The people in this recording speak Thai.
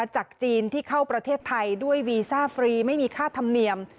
จากจีนที่เข้าประเทศไทยด้วยวีซ่าฟรีไม่มีค่าธรรมเนียม